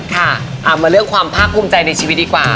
ค่ะมาเลือกความพราบพูดใจในชีวิตดีกว่า